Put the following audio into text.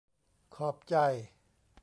ขอบใจ